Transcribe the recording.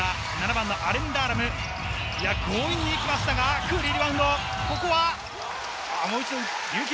７番のアレン・ダーラム、強引に行きましたが、クーリーのリバウンド。